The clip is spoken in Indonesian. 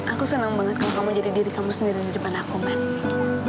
aku senang banget kalau kamu jadi diri kamu sendiri di depan aku mbak